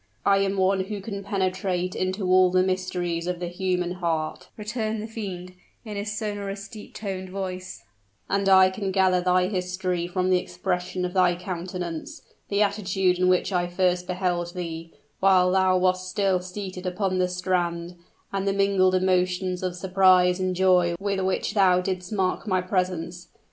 "I am one who can penetrate into all the mysteries of the human heart," returned the fiend, in his sonorous, deep toned voice; "and I can gather thy history from the expression of thy countenance, the attitude in which I first beheld thee, while thou wast still seated upon the strand, and the mingled emotions of surprise and joy with which thou didst mark my presence.